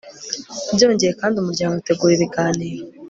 byongeye kandi, umuryango utegura ibiganiro